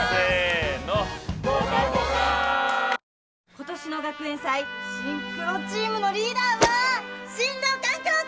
今年の学園祭シンクロチームのリーダーは進藤勘九郎君です！